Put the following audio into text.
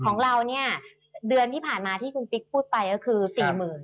ของเราเนี่ยเดือนที่ผ่านมาที่คุณปิ๊กพูดไปก็คือ๔๐๐๐